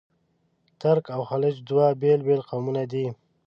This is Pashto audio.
ترک او خلج دوه بېل بېل قومونه دي.